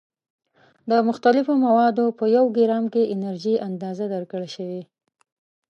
د مختلفو موادو په یو ګرام کې انرژي اندازه درکړل شوې.